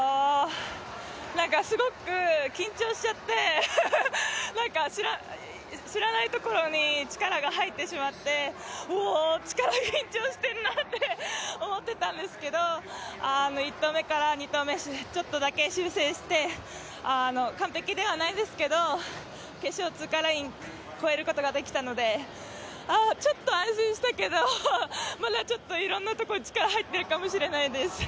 すごく緊張しちゃって、知らないところに力が入ってしまって緊張してるなって思ってたんですけど１投目から２投目、ちょっとだけ修正して完璧ではないんですけど決勝通過ライン超えることができたので、ちょっと安心したけど、まだちょっといろんなところ力入ってるかもしれないです。